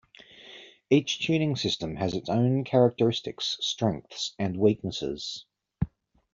Each tuning system has its own characteristics, strengths and weaknesses.